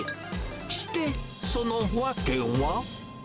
して、その訳は？